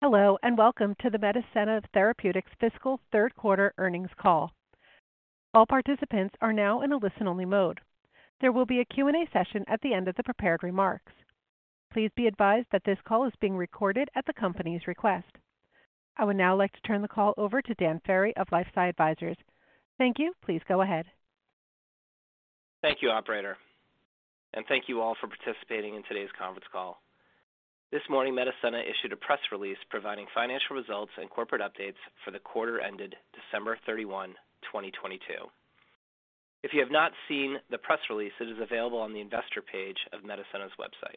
Hello and welcome to the Medicenna Therapeutics fiscal Q3 earnings call. All participants are now in a listen-only mode. There will be a Q&A session at the end of the prepared remarks. Please be advised that this call is being recorded at the company's request. I would now like to turn the call over to Dan Ferry of LifeSci Advisors. Thank you. Please go ahead. Thank you, operator, and thank you all for participating in today's conference call. This morning, Medicenna issued a press release providing financial results and corporate updates for the quarter ended December 31, 2022. If you have not seen the press release, it is available on the investor page of Medicenna's website.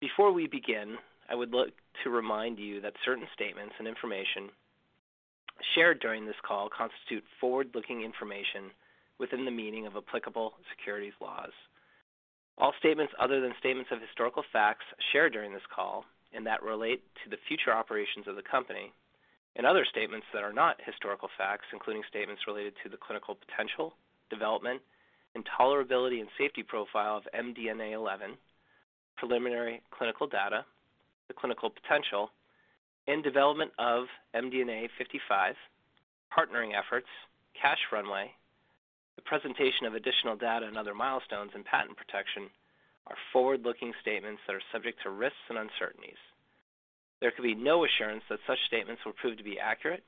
Before we begin, I would like to remind you that certain statements and information shared during this call constitute forward-looking information within the meaning of applicable securities laws. All statements other than statements of historical facts shared during this call and that relate to the future operations of the company and other statements that are not historical facts, including statements related to the clinical potential, development, and tolerability and safety profile of MDNA11, preliminary clinical data, the clinical potential and development of MDNA55, partnering efforts, cash runway, the presentation of additional data and other milestones, and patent protection are forward-looking statements that are subject to risks and uncertainties. There can be no assurance that such statements will prove to be accurate,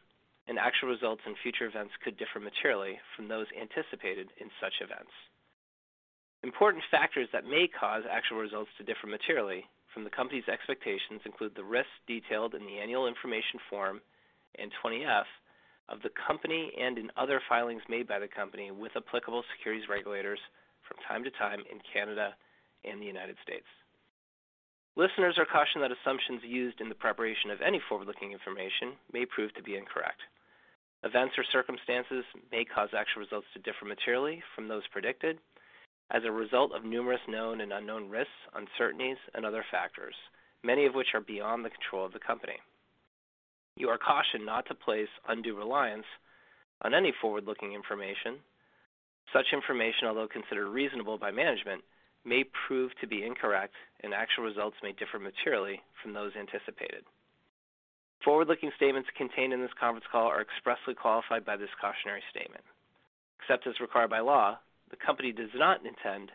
and actual results and future events could differ materially from those anticipated in such events. Important factors that may cause actual results to differ materially from the company's expectations include the risks detailed in the Annual Information Form and Form 20-F of the company and in other filings made by the company with applicable securities regulators from time to time in Canada and the United States. Listeners are cautioned that assumptions used in the preparation of any forward-looking information may prove to be incorrect. Events or circumstances may cause actual results to differ materially from those predicted as a result of numerous known and unknown risks, uncertainties, and other factors, many of which are beyond the control of the company. You are cautioned not to place undue reliance on any forward-looking information. Such information, although considered reasonable by management, may prove to be incorrect and actual results may differ materially from those anticipated. Forward-looking statements contained in this conference call are expressly qualified by this cautionary statement. Except as required by law, the company does not intend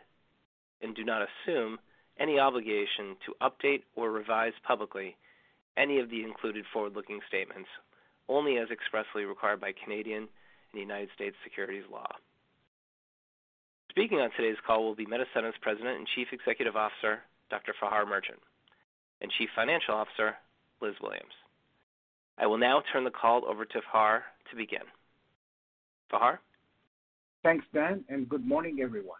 and do not assume any obligation to update or revise publicly any of the included forward-looking statements, only as expressly required by Canadian and United States securities law. Speaking on today's call will be Medicenna's President and Chief Executive Officer, Dr. Fahar Merchant, and Chief Financial Officer, Elizabeth Williams. I will now turn the call over to Fahar to begin. Fahar. Thanks, Dan, good morning, everyone.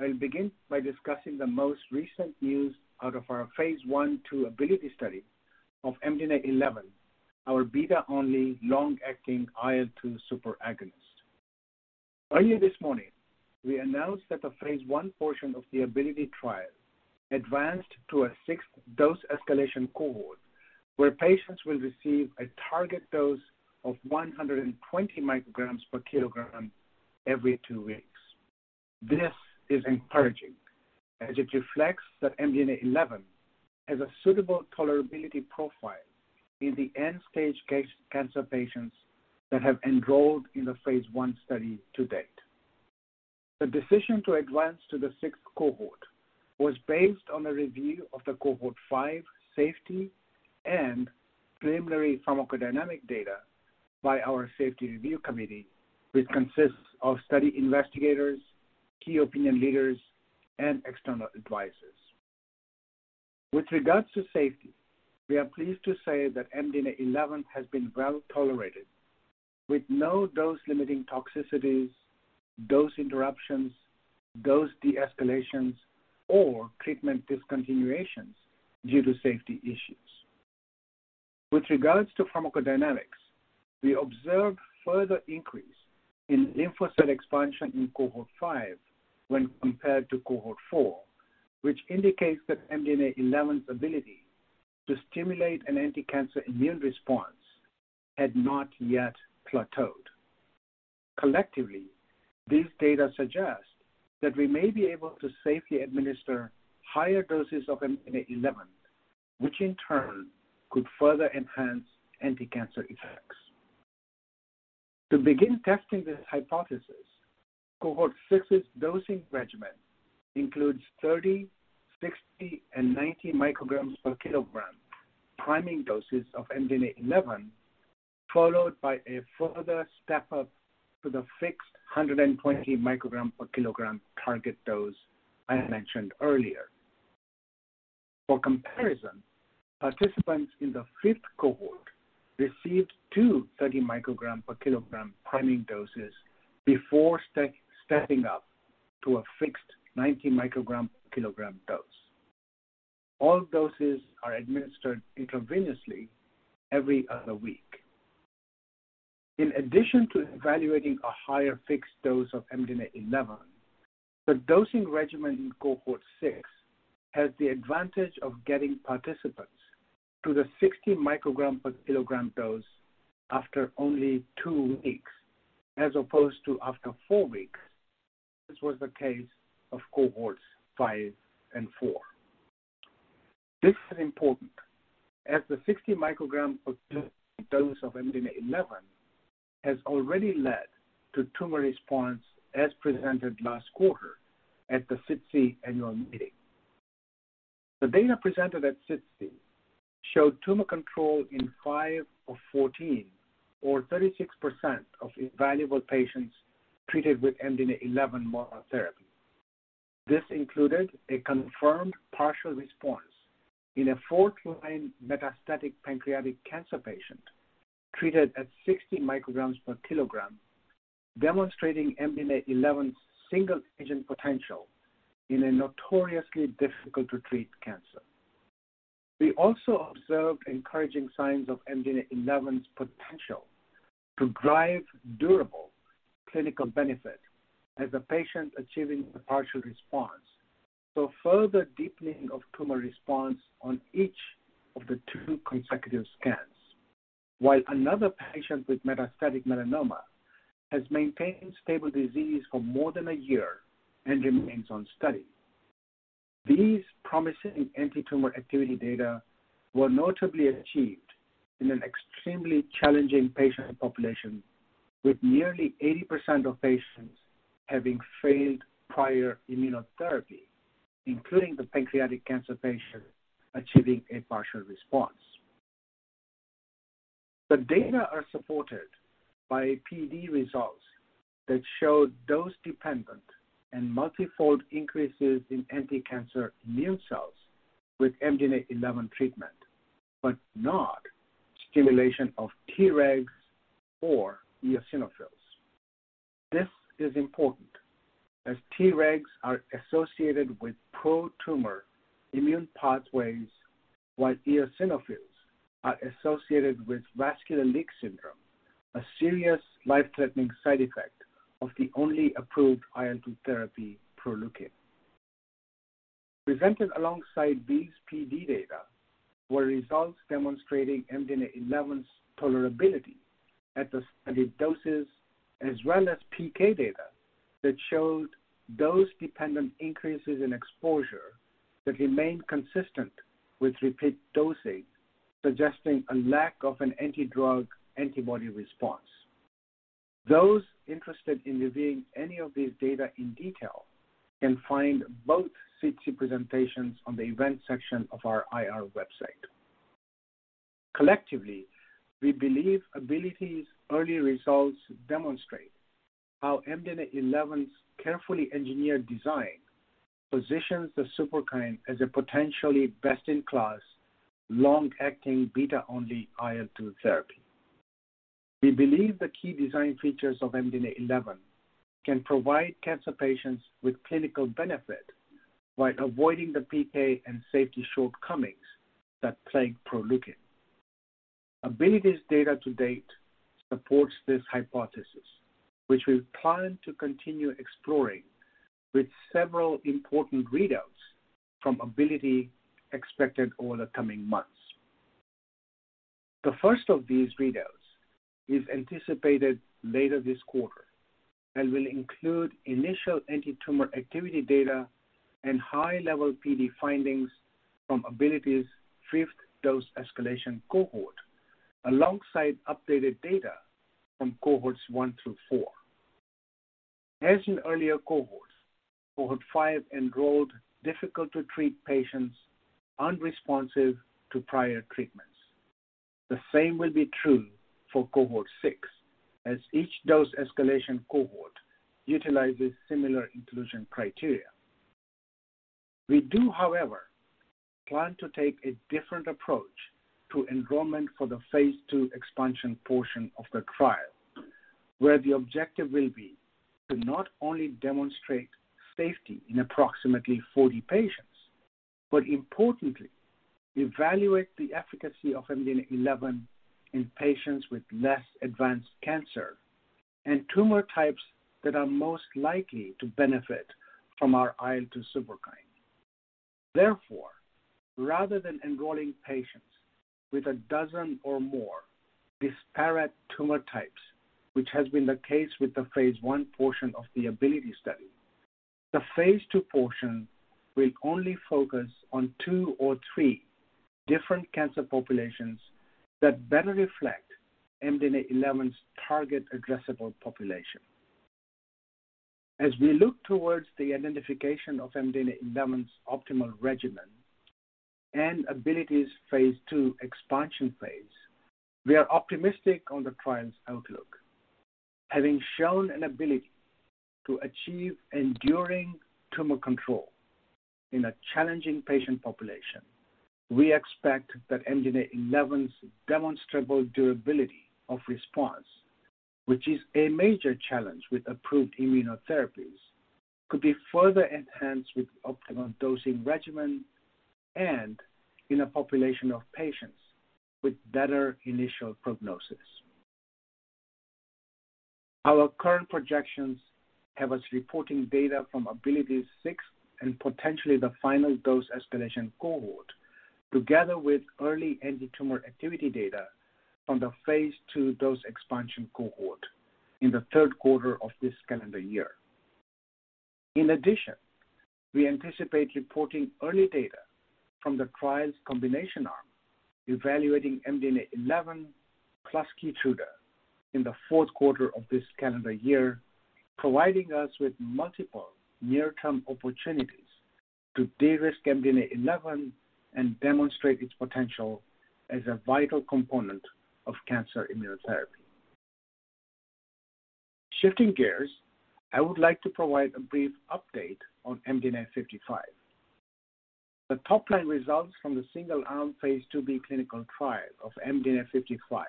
I'll begin by discussing the most recent news out of our phase 1/2 ABILITY study of MDNA11, our beta-only long-acting IL-2 superagonist. Earlier this morning, we announced that the phase I portion of the ABILITY trial advanced to a 6-dose escalation cohort where patients will receive a target dose of 120 micrograms per kilogram every two weeks. This is encouraging as it reflects that MDNA11 has a suitable tolerability profile in the end-stage cancer patients that have enrolled in the phase I study to date. The decision to advance to the sixth cohort was based on a review of the cohort 5 safety and preliminary pharmacodynamic data by our safety review committee, which consists of study investigators, key opinion leaders, and external advisors. With regards to safety, we are pleased to say that MDNA11 has been well-tolerated with no dose-limiting toxicities, dose interruptions, dose de-escalations, or treatment discontinuations due to safety issues. With regards to pharmacodynamics, we observed further increase in lymphocyte expansion in cohort five when compared to cohort four, which indicates that MDNA11's ability to stimulate an anticancer immune response had not yet plateaued. Collectively, this data suggests that we may be able to safely administer higher doses of MDNA11, which in turn could further enhance anticancer effects. To begin testing this hypothesis, cohort 6's dosing regimen includes 30, 60, and 90 micrograms per kilogram priming doses of MDNA11, followed by a further step-up to the fixed 120 micrograms per kilogram target dose I mentioned earlier. For comparison, participants in the fifth cohort received two 30 microgram per kilogram priming doses before stepping up to a fixed 90 microgram per kilogram dose. All doses are administered intravenously every other week. In addition to evaluating a higher fixed dose of MDNA11, the dosing regimen in cohort six has the advantage of getting participants to the 60 microgram per kilogram dose after only two weeks, as opposed to after four weeks. This was the case of cohorts five and four. This is important as the 60 microgram per kilo dose of MDNA11 has already led to tumor response, as presented last quarter at the SITC annual meeting. The data presented at SITC showed tumor control in five of 14, or 36% of evaluable patients treated with MDNA11 monotherapy. This included a confirmed partial response in a fourth-line metastatic pancreatic cancer patient treated at 60 micrograms per kilogram, demonstrating MDNA11's single agent potential in a notoriously difficult to treat cancer. We also observed encouraging signs of MDNA11's potential to drive durable clinical benefit as a patient achieving a partial response, so further deepening of tumor response on each of the two consecutive scans. While another patient with metastatic melanoma has maintained stable disease for more than one year and remains on study. These promising antitumor activity data were notably achieved in an extremely challenging patient population, with nearly 80% of patients having failed prior immunotherapy, including the pancreatic cancer patient achieving a partial response. The data are supported by PD results that show dose-dependent and multifold increases in anticancer immune cells with MDNA11 treatment, but not stimulation of Tregs or eosinophils. This is important as Tregs are associated with pro-tumor immune pathways, while eosinophils are associated with vascular leak syndrome, a serious life-threatening side effect of the only approved IL-2 therapy, Proleukin. Presented alongside these PD data were results demonstrating MDNA11's tolerability at the study doses as well as PK data that showed dose-dependent increases in exposure that remained consistent with repeat dosing, suggesting a lack of an anti-drug antibody response. Those interested in reviewing any of these data in detail can find both SITC presentations on the event section of our IR website. Collectively, we believe ABILITY's early results demonstrate how MDNA11's carefully engineered design positions the superkine as a potentially best-in-class, long-acting beta-only IL-two therapy. We believe the key design features of MDNA11 can provide cancer patients with clinical benefit while avoiding the PK and safety shortcomings that plague Proleukin. ABILITY's data to date supports this hypothesis, which we plan to continue exploring with several important readouts from ABILITY expected over the coming months. The first of these readouts is anticipated later this quarter and will include initial antitumor activity data and high-level PD findings from ABILITY's fifth dose escalation cohort, alongside updated data from cohorts one through four. As in earlier cohorts, cohort five enrolled difficult to treat patients unresponsive to prior treatments. The same will be true for cohort six, as each dose escalation cohort utilizes similar inclusion criteria. We do, however, plan to take a different approach to enrollment for the phase II expansion portion of the trial, where the objective will be to not only demonstrate safety in approximately 40 patients, but importantly evaluate the efficacy of MDNA11 in patients with less advanced cancer and tumor types that are most likely to benefit from our IL-2 Superkine. Rather than enrolling patients with a dozen or more disparate tumor types, which has been the case with the phase I portion of the ABILITY study, the phase II portion will only focus on two or three different cancer populations that better reflect MDNA11's target addressable population. As we look towards the identification of MDNA11's optimal regimen and ABILITY's phase II expansion phase, we are optimistic on the trial's outlook. Having shown an ability to achieve enduring tumor control in a challenging patient population, we expect that MDNA11's demonstrable durability of response, which is a major challenge with approved immunotherapies, could be further enhanced with optimal dosing regimen and in a population of patients with better initial prognosis. Our current projections have us reporting data from ABILITY's sixth and potentially the final dose escalation cohort together with early antitumor activity data from the phase II dose expansion cohort in the Q3 of this calendar year. We anticipate reporting early data from the trial's combination arm evaluating MDNA11 plus Keytruda in the Q4 of this calendar year, providing us with multiple near-term opportunities to de-risk MDNA11 and demonstrate its potential as a vital component of cancer immunotherapy. Shifting gears, I would like to provide a brief update on MDNA55. The top-line results from the single-arm phase 2B clinical trial of MDNA55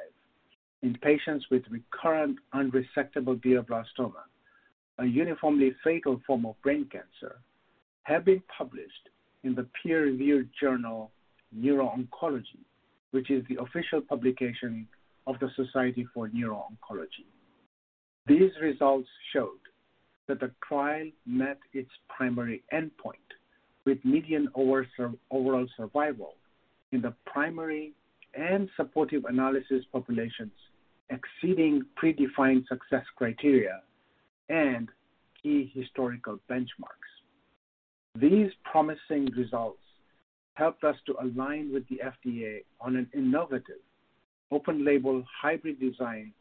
in patients with recurrent unresectable glioblastoma, a uniformly fatal form of brain cancer, have been published in the peer-reviewed journal Neuro-Oncology, which is the official publication of the Society for Neuro-Oncology. These results showed that the trial met its primary endpoint with median overall survival in the primary and supportive analysis populations, exceeding predefined success criteria and key historical benchmarks. These promising results helped us to align with the FDA on an innovative open label hybrid design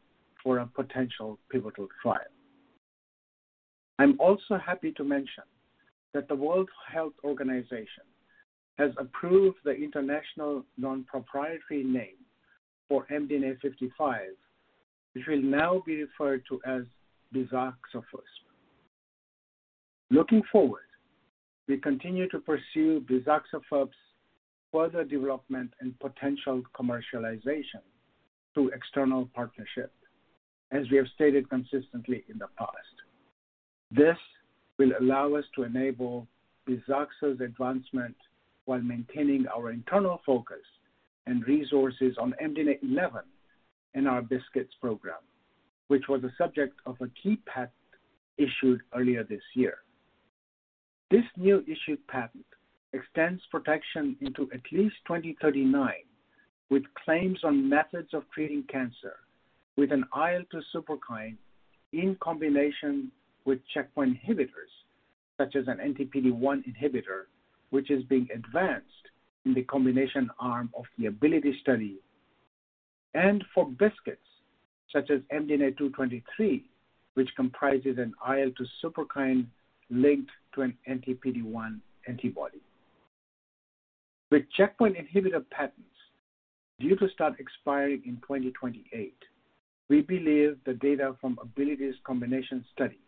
for a potential pivotal trial. I'm also happy to mention that the World Health Organization has approved the international non-proprietary name for MDNA55, which will now be referred to as bizaxofusp. Looking forward, we continue to pursue bizaxofusp's further development and potential commercialization through external partnership, as we have stated consistently in the past. This will allow us to enable bizaxofusp's advancement while maintaining our internal focus and resources on MDNA11 in our BiSKITs program, which was a subject of a key patent issued earlier this year. This new issued patent extends protection into at least 2039, with claims on methods of treating cancer with an IL-2 Superkine in combination with checkpoint inhibitors such as an anti-PD-1 inhibitor, which is being advanced in the combination arm of the ABILITY study, and for BiSKITs such as MDNA223, which comprises an IL-2 Superkine linked to an anti-PD-1 antibody. With checkpoint inhibitor patents due to start expiring in 2028, we believe the data from ABILITY's combination study,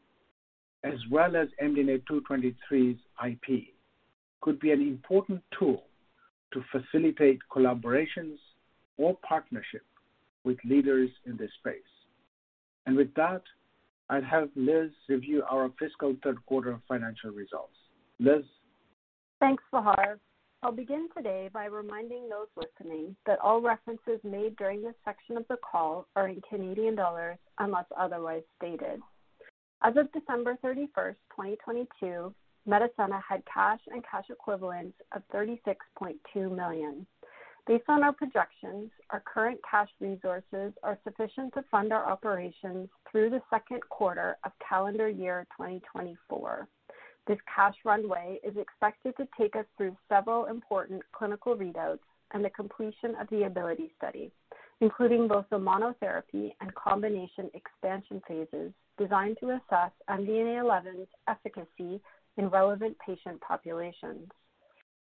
as well as MDNA223's IP, could be an important tool to facilitate collaborations or partnership with leaders in this space. With that, I'd have Liz review our fiscal Q3 financial results. Liz? Thanks, Fahar. I'll begin today by reminding those listening that all references made during this section of the call are in Canadian dollars unless otherwise stated. As of December 31st, 2022, Medicenna had cash and cash equivalents of 36.2 million. Based on our projections, our current cash resources are sufficient to fund our operations through the Q2 of calendar year 2024. This cash runway is expected to take us through several important clinical readouts and the completion of the ABILITY study, including both the monotherapy and combination expansion phases designed to assess MDNA11's efficacy in relevant patient populations.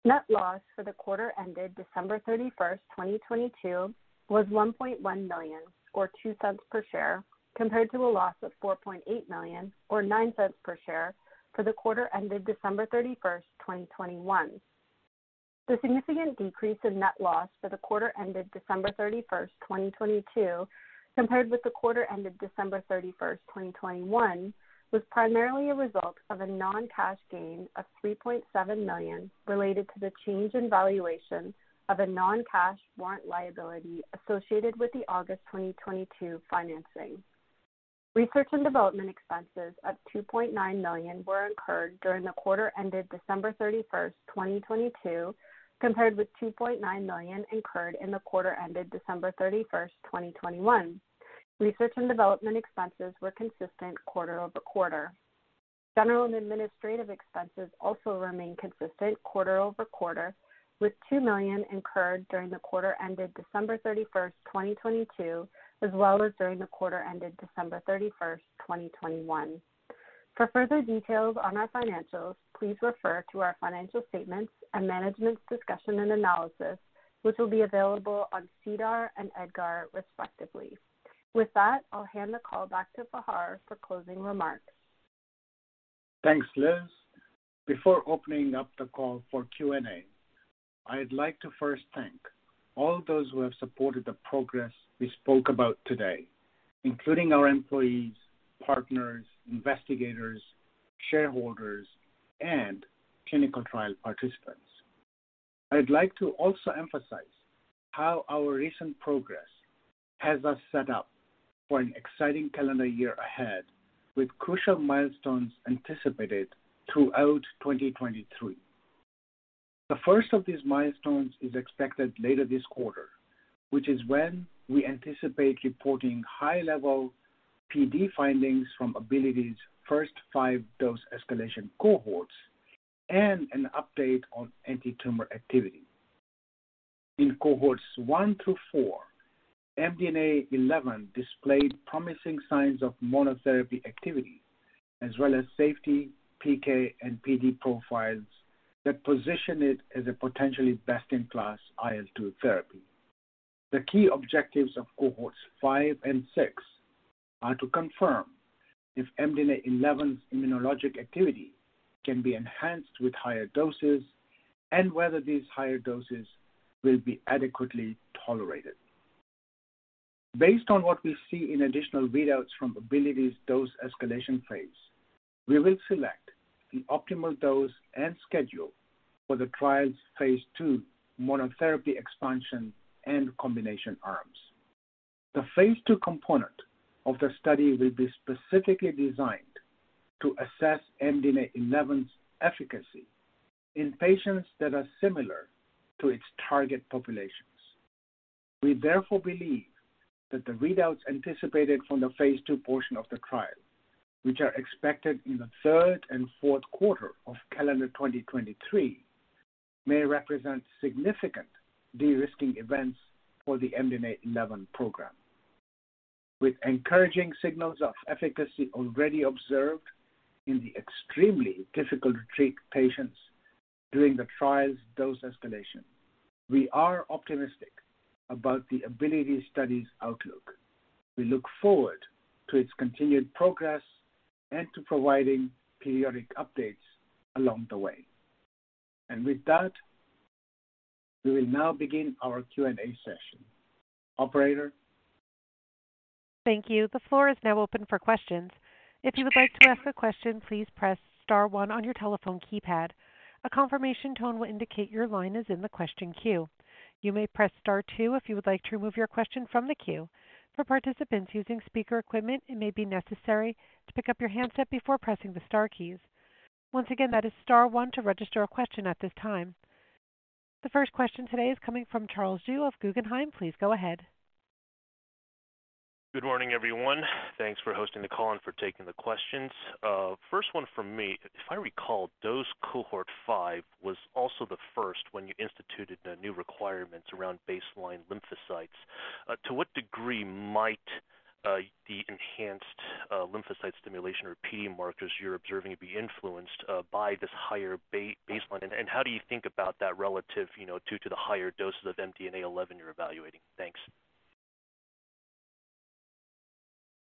Net loss for the quarter ended December 31st, 2022 was 1.1 million, or 0.02 per share, compared to a loss of 4.8 million, or 0.09 per share for the quarter ended December 31st, 2021. The significant decrease in net loss for the quarter ended December 31st, 2022 compared with the quarter ended December 31st, 2021 was primarily a result of a non-cash gain of 3.7 million related to the change in valuation of a non-cash warrant liability associated with the August 2022 financing. Research and development expenses of 2.9 million were incurred during the quarter ended December 31st, 2022, compared with 2.9 million incurred in the quarter ended December 31st, 2021. Research and development expenses were consistent quarter-over-quarter. General and administrative expenses also remain consistent quarter-over-quarter, with 2 million incurred during the quarter ended December 31st, 2022, as well as during the quarter ended December 31st, 2021. For further details on our financials, please refer to our financial statements and management's discussion and analysis, which will be available on SEDAR and EDGAR respectively. With that, I'll hand the call back to Fahar for closing remarks. Thanks, Liz. Before opening up the call for Q&A, I'd like to first thank all those who have supported the progress we spoke about today, including our employees, partners, investigators, shareholders, and clinical trial participants. I'd like to also emphasize how our recent progress has us set up for an exciting calendar year ahead, with crucial milestones anticipated throughout 2023. The first of these milestones is expected later this quarter, which is when we anticipate reporting high-level PD findings from ABILITY's first five dose escalation cohorts and an update on antitumor activity. In cohorts one through four, MDNA11 displayed promising signs of monotherapy activity as well as safety, PK, and PD profiles that position it as a potentially best-in-class IL-2 therapy. The key objectives of cohorts 5 and 6 are to confirm if MDNA11's immunologic activity can be enhanced with higher doses and whether these higher doses will be adequately tolerated. Based on what we see in additional readouts from ABILITY's dose escalation phase, we will select the optimal dose and schedule for the trial's phase II monotherapy expansion and combination arms. The phase II component of the study will be specifically designed to assess MDNA11's efficacy in patients that are similar to its target populations. We therefore believe that the readouts anticipated from the phase II portion of the trial, which are expected in the third and Q4 of calendar 2023, may represent significant de-risking events for the MDNA11 program. With encouraging signals of efficacy already observed in the extremely difficult to treat patients during the trial's dose escalation, we are optimistic about the ABILITY study's outlook. We look forward to its continued progress and to providing periodic updates along the way. With that, we will now begin our Q&A session. Operator. Thank you. The floor is now open for questions. If you would like to ask a question, please press star one on your telephone keypad. A confirmation tone will indicate your line is in the question queue. You may press Star two if you would like to remove your question from the queue. For participants using speaker equipment, it may be necessary to pick up your handset before pressing the star keys. Once again, that is star one to register a question at this time. The first question today is coming from Charles Zhu of Guggenheim. Please go ahead. Good morning, everyone. Thanks for hosting the call and for taking the questions. First one from me. If I recall, dose cohort 5 was also the first when you instituted the new requirements around baseline lymphocytes. To what degree might the enhanced lymphocyte stimulation or PD markers you're observing be influenced by this higher baseline? How do you think about that relative, you know, due to the higher doses of MDNA11 you're evaluating?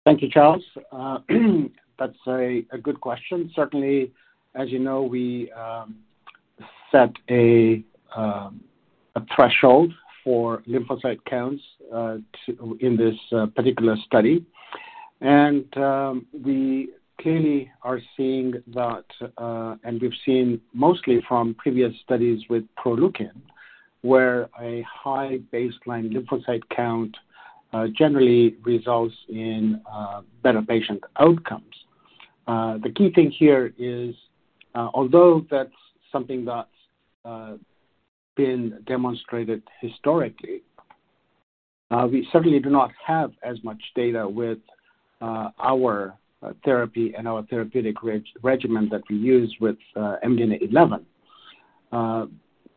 Thanks. Thank you, Charles. That's a good question. Certainly, as you know, we set a threshold for lymphocyte counts in this particular study. We clearly are seeing that, and we've seen mostly from previous studies with Proleukin, where a high baseline lymphocyte count generally results in better patient outcomes. The key thing here is, although that's something that's been demonstrated historically, we certainly do not have as much data with our therapy and our therapeutic regimen that we use with MDNA11.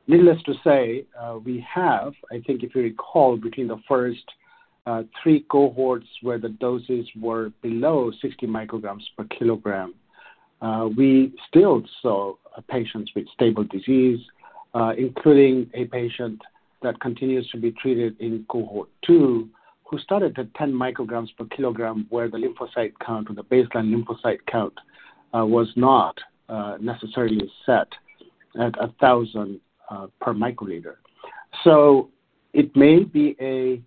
Needless to say, we have, I think if you recall, between the first three cohorts where the doses were below 60 micrograms per kilogram, we still saw patients with stable disease, including a patient that continues to be treated in cohort two, who started at 10 micrograms per kilogram, where the lymphocyte count or the baseline lymphocyte count, was not necessarily set at 1,000 per microliter. It may be a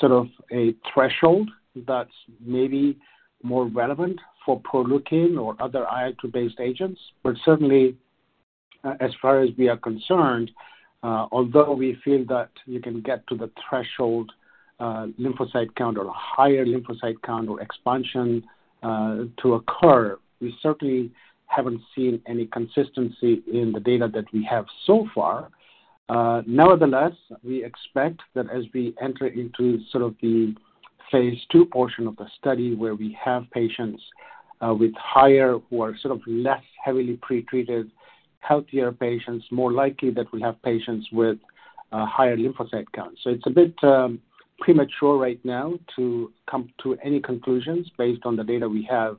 sort of a threshold that's maybe more relevant for Proleukin or other IL-2-based agents. Certainly, as far as we are concerned, although we feel that you can get to the threshold, lymphocyte count or a higher lymphocyte count or expansion to occur, we certainly haven't seen any consistency in the data that we have so far. Nevertheless, we expect that as we enter into sort of the phase II portion of the study, where we have patients with higher or sort of less heavily pretreated healthier patients, more likely that we have patients with higher lymphocyte counts. It's a bit premature right now to come to any conclusions based on the data we have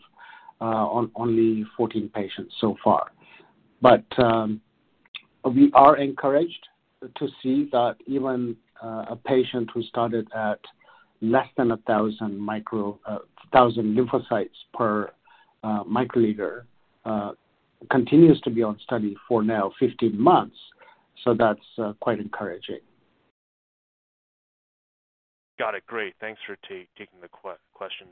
on only 14 patients so far. We are encouraged to see that even a patient who started at less than 1,000 lymphocytes per microliter continues to be on study for now 15 months. That's quite encouraging. Got it. Great. Thanks for taking the question.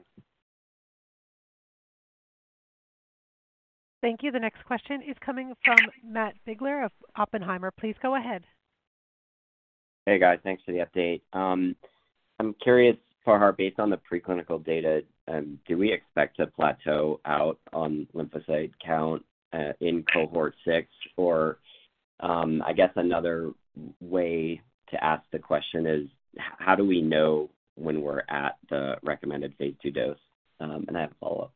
Thank you. The next question is coming from Matt Biegler of Oppenheimer. Please go ahead. Hey, guys. Thanks for the update. I'm curious, Fahar, based on the preclinical data, do we expect to plateau out on lymphocyte count in cohort 6? I guess another way to ask the question is how do we know when we're at the recommended Phase II dose? I have a follow-up.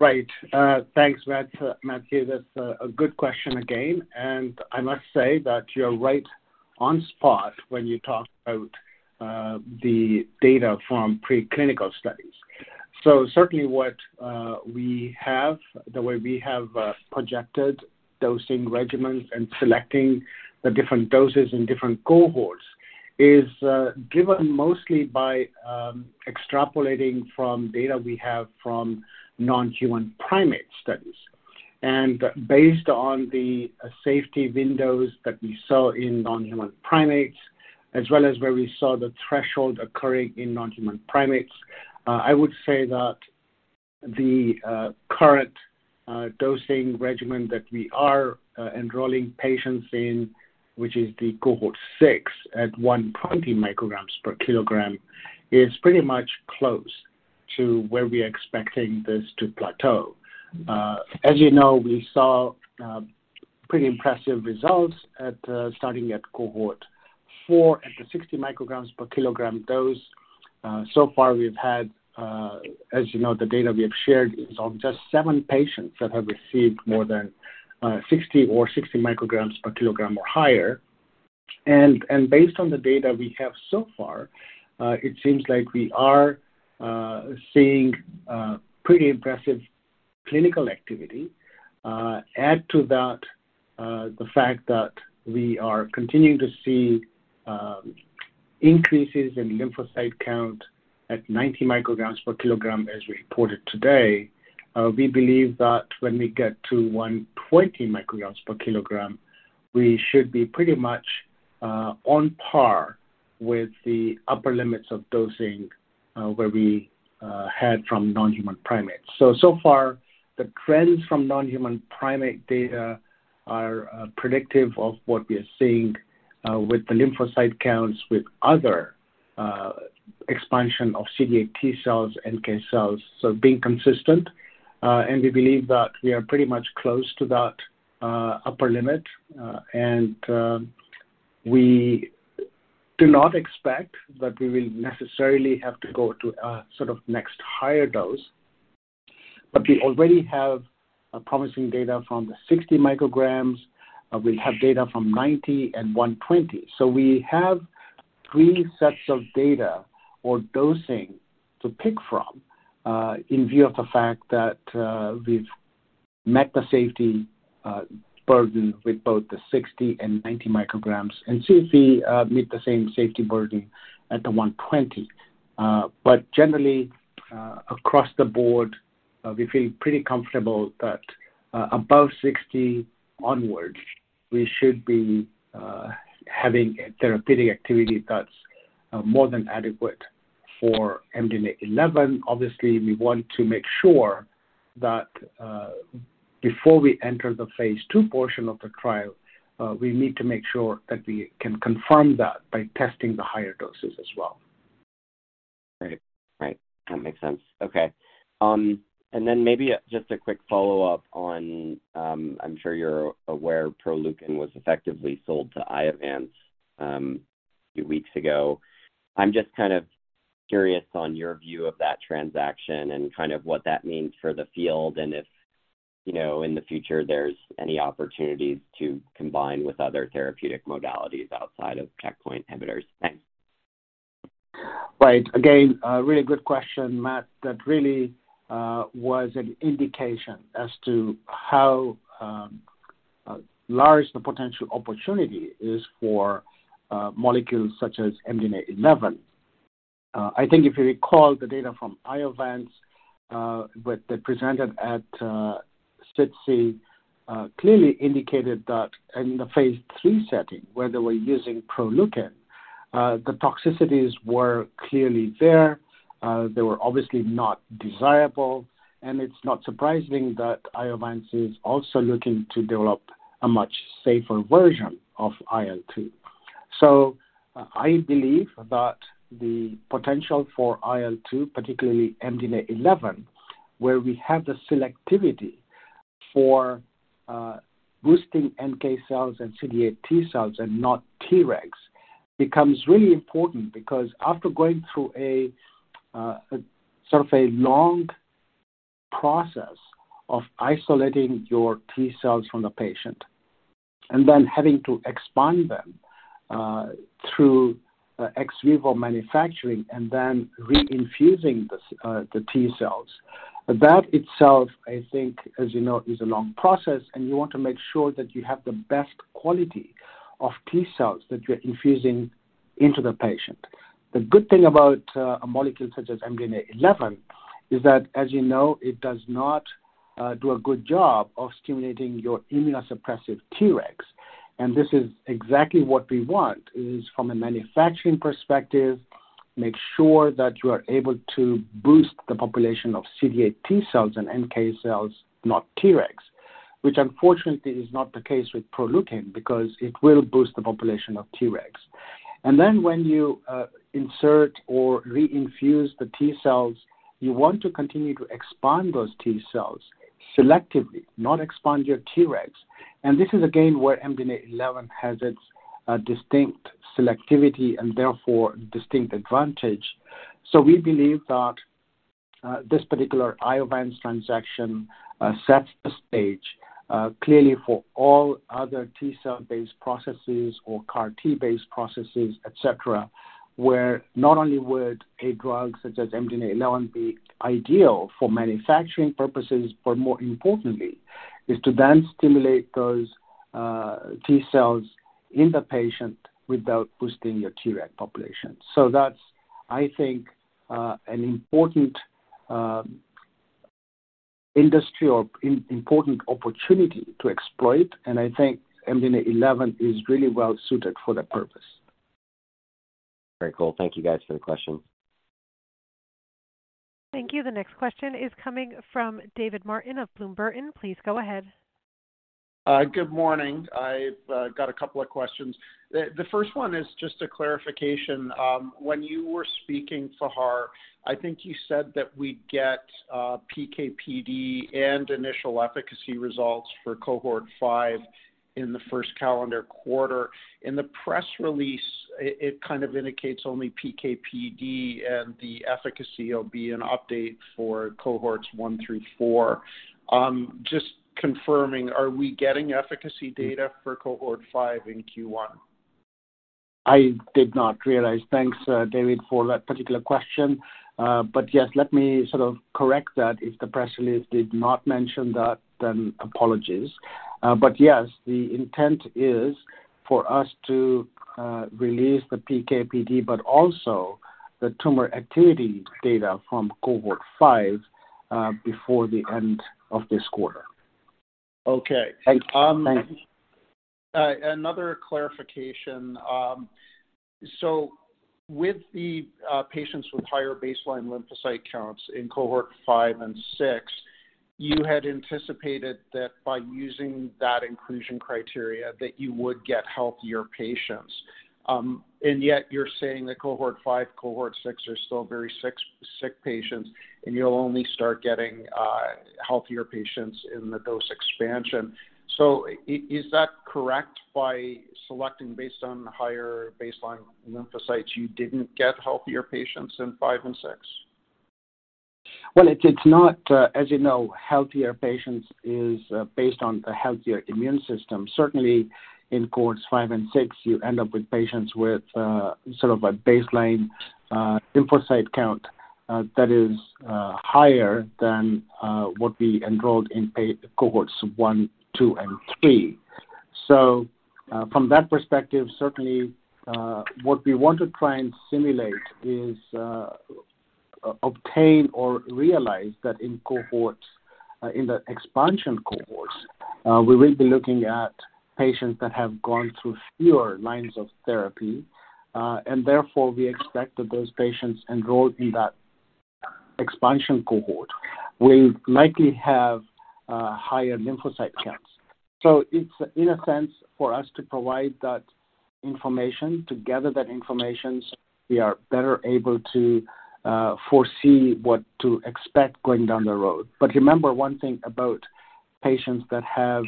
Right. Thanks, Matt, here. That's a good question again. I must say that you're right on spot when you talk about the data from preclinical studies. Certainly what we have, the way we have projected dosing regimens and selecting the different doses in different cohorts is given mostly by extrapolating from data we have from non-human primate studies. Based on the safety windows that we saw in non-human primates, as well as where we saw the threshold occurring in non-human primates, I would say that the current dosing regimen that we are enrolling patients in, which is the cohort 6 at 120 micrograms per kilogram, is pretty much close to where we are expecting this to plateau. As you know, we saw pretty impressive results at starting at cohort four at the 60 micrograms per kilogram dose. So far we've had, as you know, the data we have shared is on just seven patients that have received more than 60 or 60 micrograms per kilogram or higher. Based on the data we have so far, it seems like we are seeing pretty impressive clinical activity. Add to that, the fact that we are continuing to see increases in lymphocyte count at 90 micrograms per kilogram as reported today, we believe that when we get to 120 micrograms per kilogram, we should be pretty much on par with the upper limits of dosing, where we had from non-human primates. So far, the trends from non-human primate data are predictive of what we are seeing with the lymphocyte counts with other expansion of CD8 T cells, NK cells, so being consistent. We believe that we are pretty much close to that upper limit, and we do not expect that we will necessarily have to go to a sort of next higher dose. We already have promising data from the 60 micrograms. We have data from 90 and 120. We have three sets of data or dosing to pick from, in view of the fact that we've met the safety burden with both the 60 and 90 micrograms and since we meet the same safety burden at the 120. Generally, across the board, we feel pretty comfortable that above 60 onwards, we should be having a therapeutic activity that's more than adequate for MDNA11. Obviously, we want to make sure that before we enter the phase II portion of the trial, we need to make sure that we can confirm that by testing the higher doses as well. Right. Right. That makes sense. Okay. Maybe just a quick follow-up on, I'm sure you're aware Proleukin was effectively sold to Iovance, a few weeks ago. I'm just kind of curious on your view of that transaction and kind of what that means for the field and if, you know, in the future there's any opportunities to combine with other therapeutic modalities outside of checkpoint inhibitors? Thanks. Right. Again, a really good question, Matt. That really was an indication as to how large the potential opportunity is for molecules such as MDNA11. If you recall the data from Iovance, with the presented at SITC, clearly indicated that in the phase II setting where they were using Proleukin, the toxicities were clearly there. They were obviously not desirable. It's not surprising that Iovance is also looking to develop a much safer version of IL-2. I believe that the potential for IL-2, particularly MDNA11, where we have the selectivity for boosting NK cells and CD8 T cells and not Tregs, becomes really important because after going through a sort of a long process of isolating your T cells from the patient and then having to expand them through ex vivo manufacturing and then reinfusing the T cells, that itself, I think, as you know, is a long process, and you want to make sure that you have the best quality of T cells that you're infusing into the patient. The good thing about a molecule such as MDNA11 is that, as you know, it does not do a good job of stimulating your immunosuppressive Tregs. This is exactly what we want, is from a manufacturing perspective, make sure that you are able to boost the population of CD8 T cells and NK cells, not Tregs, which unfortunately is not the case with Proleukin because it will boost the population of Tregs. When you insert or re-infuse the T cells, you want to continue to expand those T cells selectively, not expand your Tregs. This is again, where MDNA11 has its distinct selectivity and therefore distinct advantage. We believe that this particular Iovance transaction sets the stage clearly for all other T-cell-based processes or CAR T-based processes, et cetera, where not only would a drug such as MDNA11 be ideal for manufacturing purposes, but more importantly is to then stimulate those T cells in the patient without boosting your Treg population. That's, I think, an important industry or important opportunity to exploit, and I think MDNA11 is really well suited for that purpose. Very cool. Thank you guys for the question. Thank you. The next question is coming from David Martin of Bloomberg. Please go ahead. Good morning. I've got a couple of questions. The first one is just a clarification. When you were speaking, Fahar, I think you said that we'd get PK/PD and initial efficacy results for cohort 5 in the first calendar quarter. In the press release, it kind of indicates only PK/PD, and the efficacy will be an update for cohorts 1 through 4. Just confirming, are we getting efficacy data for cohort 5 in Q1? I did not realize. Thanks, David, for that particular question. Yes, let me sort of correct that. If the press release did not mention that, then apologies. Yes, the intent is for us to release the PK/PD, but also the tumor activity data from cohort 5, before the end of this quarter. Okay. Thank you. Um. Thanks. Another clarification. With the patients with higher baseline lymphocyte counts in cohort 5 and 6, you had anticipated that by using that inclusion criteria, that you would get healthier patients. And yet you're saying that cohort 5, cohort 6 are still very six-sick patients, and you'll only start getting healthier patients in the dose expansion. Is that correct? By selecting based on higher baseline lymphocytes, you didn't get healthier patients in 5 and 6? It's not, as you know, healthier patients is based on a healthier immune system. Certainly, in cohorts 5 and 6, you end up with patients with sort of a baseline lymphocyte count that is higher than what we enrolled in cohorts 1, 2, and 3. From that perspective, certainly, what we want to try and simulate is obtain or realize that in cohorts, in the expansion cohorts, we will be looking at patients that have gone through fewer lines of therapy, and therefore, we expect that those patients enrolled in that expansion cohort will likely have higher lymphocyte counts. It's in a sense for us to provide that information, to gather that information so we are better able to foresee what to expect going down the road. Remember one thing about patients that have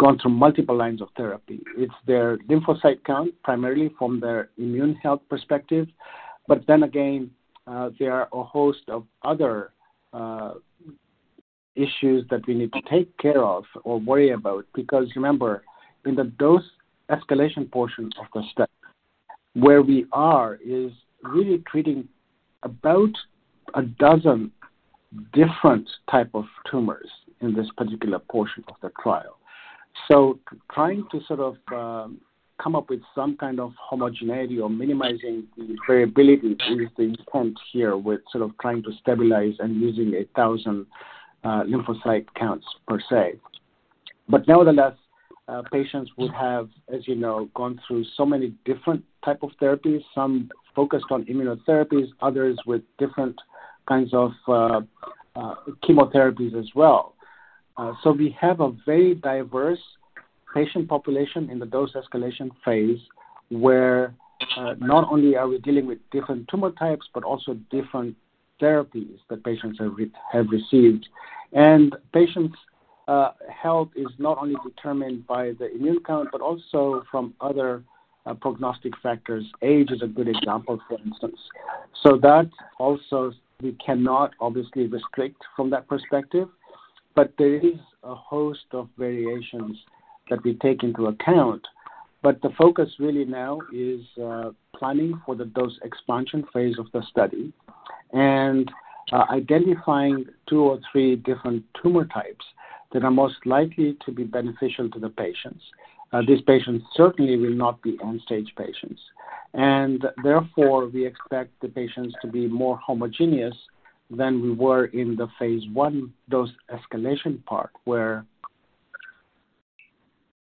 gone through multiple lines of therapy. It's their lymphocyte count, primarily from their immune health perspective. Then again, there are a host of other issues that we need to take care of or worry about. Remember, in the dose escalation portion of the study, where we are is really treating about 12 different type of tumors in this particular portion of the trial. Trying to sort of come up with some kind of homogeneity or minimizing the variability is the point here with sort of trying to stabilize and using 1,000 lymphocyte counts per se. Nevertheless, patients would have, as you know, gone through so many different type of therapies, some focused on immunotherapies, others with different kinds of chemotherapies as well. We have a very diverse patient population in the dose escalation phase, where not only are we dealing with different tumor types, but also different therapies that patients have received. Patients' health is not only determined by the immune count, but also from other prognostic factors. Age is a good example, for instance. That also we cannot obviously restrict from that perspective, but there is a host of variations that we take into account. The focus really now is planning for the dose expansion phase of the study and identifying two or three different tumor types that are most likely to be beneficial to the patients. These patients certainly will not be end-stage patients. Therefore, we expect the patients to be more homogeneous than we were in the phase I dose escalation part, where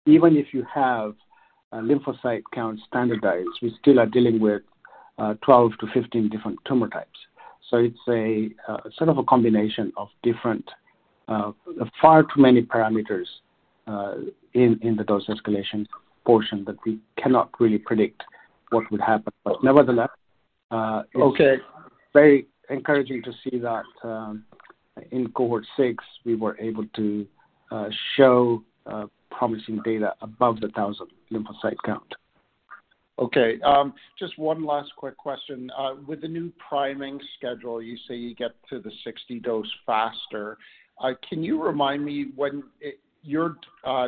even if you have a lymphocyte count standardized, we still are dealing with 12 to 15 different tumor types. It's a sort of a combination of different far too many parameters in the dose escalation portion that we cannot really predict what would happen. Nevertheless. Okay. It's very encouraging to see that, in cohort six we were able to show promising data above the 1,000 lymphocyte count. Okay. Just one last quick question. With the new priming schedule, you say you get to the 60 dose faster. Can you remind me when your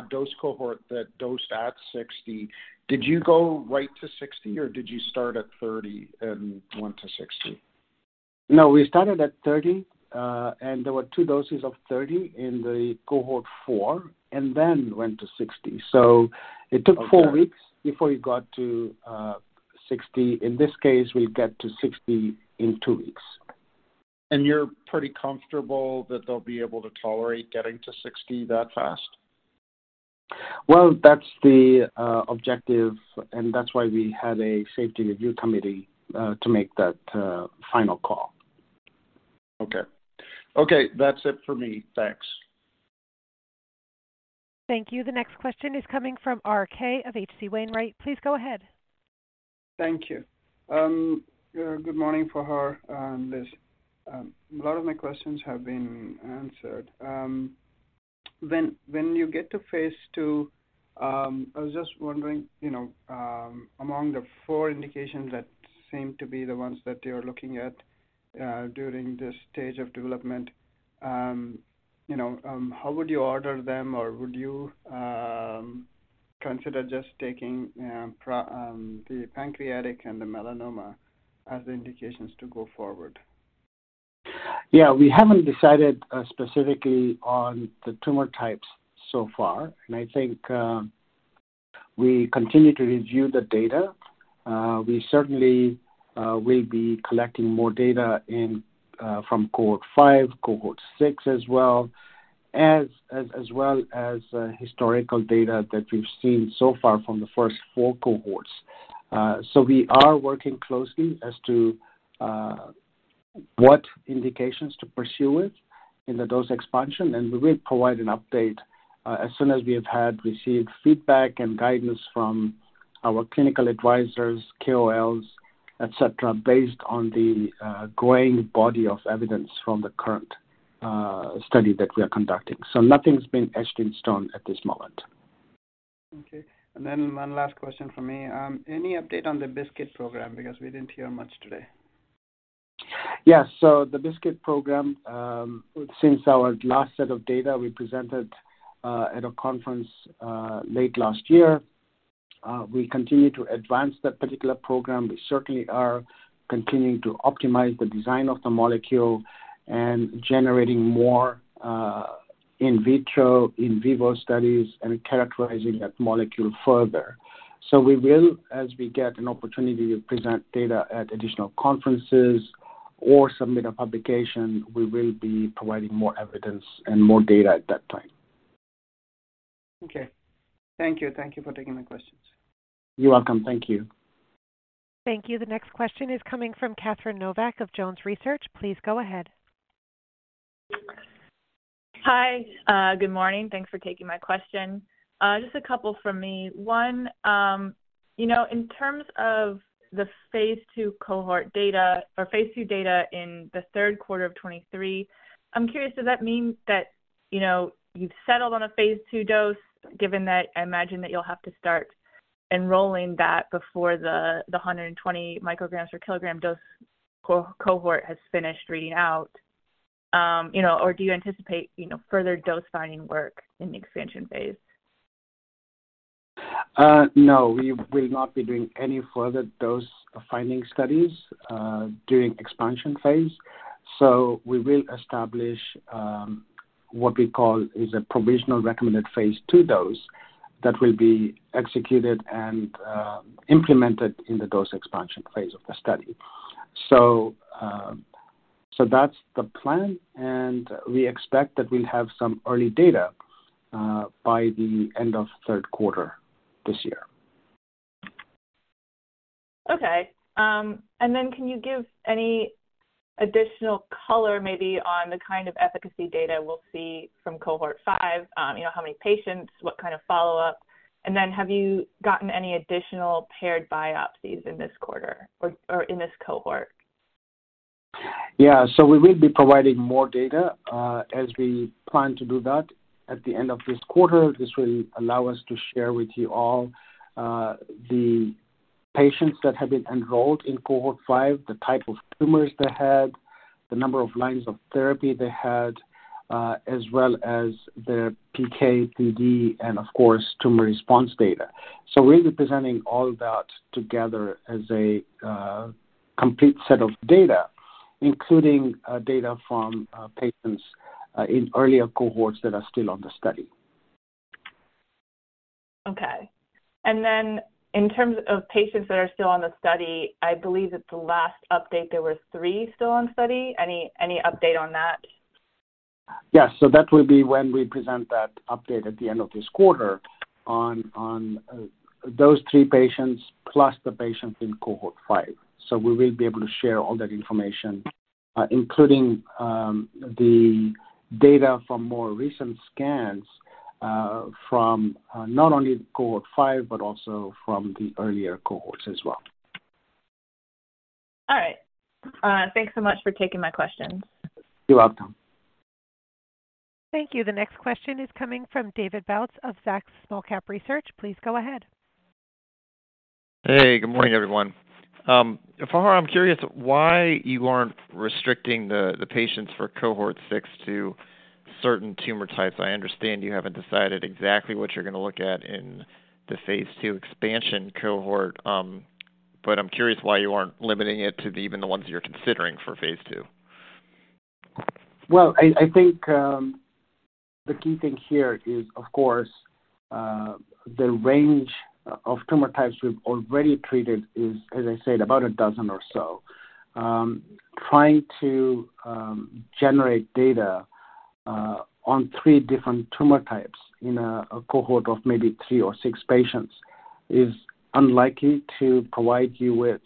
dose cohort that dosed at 60, did you go right to 60, or did you start at 30 and went to 60? No, we started at 30, and there were 2 doses of 30 in the cohort 4, and then went to 60. It took 4 weeks before we got to, 60. In this case, we'll get to 60 in 2 weeks. You're pretty comfortable that they'll be able to tolerate getting to 60 that fast? Well, that's the objective, and that's why we had a safety review committee, to make that final call. Okay. Okay, that's it for me. Thanks. Thank you. The next question is coming from RK of H.C. Wainwright. Please go ahead. Thank you. Good morning, Fahar and Liz. A lot of my questions have been answered. When you get to phase II, I was just wondering, you know, among the four indications that seem to be the ones that you're looking at, during this stage of development, you know, how would you order them, or would you consider just taking the pancreatic and the melanoma as the indications to go forward? Yeah, we haven't decided specifically on the tumor types so far. I think we continue to review the data. We certainly will be collecting more data from cohort five, cohort six as well as historical data that we've seen so far from the first four cohorts. We are working closely as to what indications to pursue it in the dose expansion, and we will provide an update as soon as we have had received feedback and guidance from our clinical advisors, KOLs, et cetera, based on the growing body of evidence from the current study that we are conducting. Nothing's been etched in stone at this moment. Okay. One last question from me. Any update on the BiSKITs program? Because we didn't hear much today. Yeah. The BiSKITs program, since our last set of data we presented at a conference late last year, we continue to advance that particular program. We certainly are continuing to optimize the design of the molecule and generating more in vitro, in vivo studies and characterizing that molecule further. We will, as we get an opportunity to present data at additional conferences or submit a publication, we will be providing more evidence and more data at that time. Okay. Thank you. Thank you for taking my questions. You're welcome. Thank you. Thank you. The next question is coming from Catherine Novack of Jones Research. Please go ahead. Hi. Good morning. Thanks for taking my question. Just a couple from me. One, you know, in terms of the phase II cohort data or phase II data in the Q3 of 23, I'm curious, does that mean that, you know, you've settled on a phase II dose, given that I imagine that you'll have to start enrolling that before the 120 micrograms per kilogram dose cohort has finished reading out? You know, do you anticipate, you know, further dose finding work in the expansion phase? No, we will not be doing any further dose-finding studies during expansion phase. We will establish what we call is a provisional recommended phase II dose that will be executed and implemented in the dose expansion phase of the study. That's the plan, and we expect that we'll have some early data by the end of Q3 this year. Okay. Can you give any additional color, maybe on the kind of efficacy data we'll see from cohort 5? You know, how many patients, what kind of follow-up? Have you gotten any additional paired biopsies in this quarter or in this cohort? Yeah. We will be providing more data, as we plan to do that at the end of this quarter. This will allow us to share with you all, the patients that have been enrolled in cohort 5, the type of tumors they had, the number of lines of therapy they had, as well as the PK/PD and of course, tumor response data. We'll be presenting all that together as a complete set of data, including data from patients in earlier cohorts that are still on the study. Okay. Then in terms of patients that are still on the study, I believe at the last update, there were three still on study. Any update on that? Yes. That will be when we present that update at the end of this quarter on those 3 patients, plus the patients in Cohort 5. We will be able to share all that information, including the data from more recent scans, from not only Cohort 5, but also from the earlier cohorts as well. All right. Thanks so much for taking my questions. You're welcome. Thank you. The next question is coming from David Bautz of Zacks Small Cap Research. Please go ahead. Hey, good morning, everyone. Fahar, I'm curious why you aren't restricting the patients for cohort 6 to certain tumor types. I understand you haven't decided exactly what you're gonna look at in the phase II expansion cohort. I'm curious why you aren't limiting it to even the ones you're considering for phase II. Well, I think, the key thing here is, of course, the range of tumor types we've already treated is, as I said, about a dozen or so. Trying to generate data on three different tumor types in a cohort of maybe three or six patients is unlikely to provide you with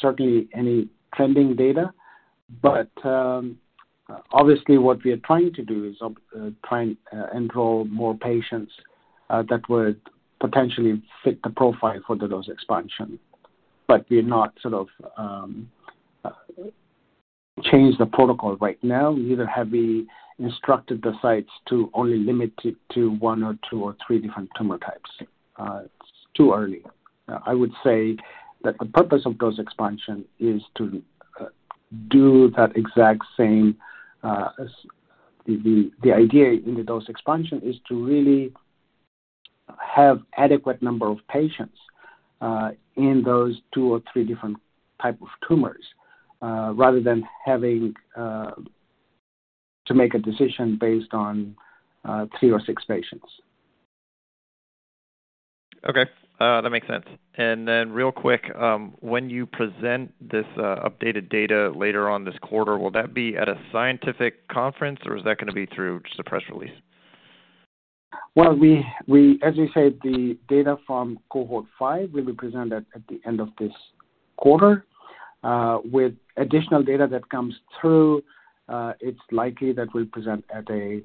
certainly any trending data. Obviously what we are trying to do is try and enroll more patients that would potentially fit the profile for the dose expansion. We're not sort of change the protocol right now. We either have instructed the sites to only limit it to one or two or three different tumor types. It's too early.I would say that the purpose of dose expansion is to do that exact same, as the idea in the dose expansion is to really have adequate number of patients, in those 2 or 3 different type of tumors, rather than having to make a decision based on 3 or 6 patients. Okay, that makes sense. Real quick, when you present this updated data later on this quarter, will that be at a scientific conference, or is that gonna be through just a press release? Well, as I said, the data from cohort five will be presented at the end of this quarter. With additional data that comes through, it's likely that we'll present at a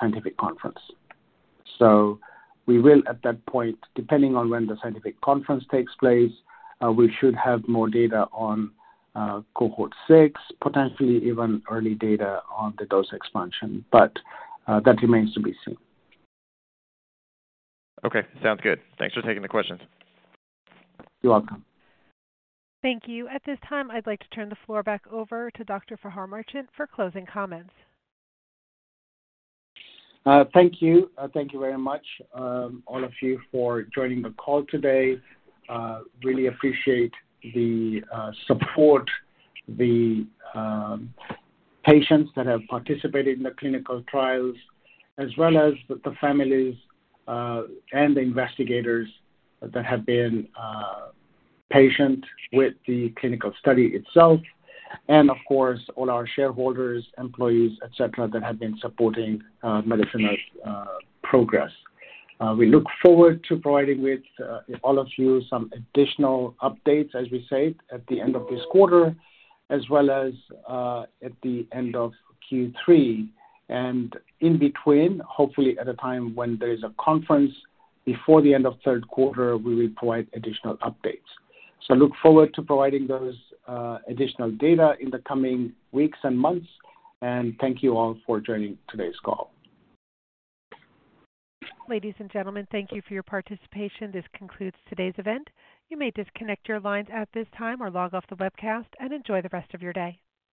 scientific conference. We will at that point, depending on when the scientific conference takes place, we should have more data on cohort 6, potentially even early data on the dose expansion, but that remains to be seen. Okay. Sounds good. Thanks for taking the questions. You're welcome. Thank you. At this time, I'd like to turn the floor back over to Dr. Fahar Merchant for closing comments. Thank you. Thank you very much, all of you for joining the call today. Really appreciate the support, the patients that have participated in the clinical trials, as well as the families, and the investigators that have been patient with the clinical study itself, and of course, all our shareholders, employees, etc., that have been supporting Medicenna's progress. We look forward to providing with all of you some additional updates, as we said, at the end of this quarter, as well as at the end of Q3. In between, hopefully at a time when there's a conference before the end of Q3, we will provide additional updates. Look forward to providing those additional data in the coming weeks and months. Thank you all for joining today's call. Ladies and gentlemen, thank you for your participation. This concludes today's event. You may disconnect your lines at this time or log off the webcast and enjoy the rest of your day.